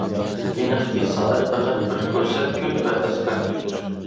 ئېنىقكى، سائەت پەقەت بىر كۆرسەتكۈچ ۋە ئەسكەرتكۈچ.